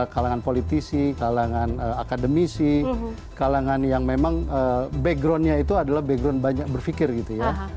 kalangan politisi kalangan akademisi kalangan yang memang backgroundnya itu adalah background banyak berpikir gitu ya